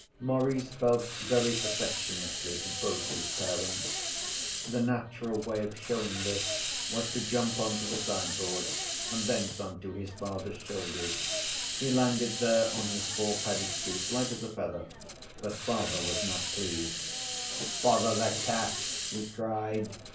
Maurice felt very affectionately to both his parents. The natural way of showing this was to jump on to the sideboard and thence on to his father's shoulders. He landed there on his four padded feet, light as a feather, but father was not pleased. 'Bother the cat!' he cried.